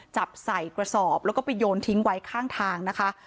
จับใส่กระสอบแล้วก็ไปโยนทิ้งไว้ข้างทางนะคะ